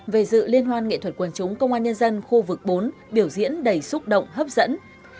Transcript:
về dự liên hoan nghệ thuật quần chúng công an nhân dân khu vực bốn biểu diễn đầy xúc động hấp dẫn